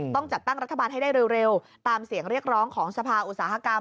ต้องจัดตั้งรัฐบาลให้ได้เร็วตามเสียงเรียกร้องของสภาอุตสาหกรรม